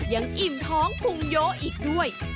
ยังอิ่มท้องภูมิโยะอีกด้วย